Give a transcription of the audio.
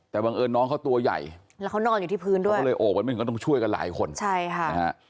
แต่บังเอิญน้องเขาตัวใหญ่แล้วเขานอนอยู่ที่พื้นด้วยเขาเลยโอบกันไม่ถึงก็ต้องช่วยกันหลายคนใช่ค่ะนะฮะ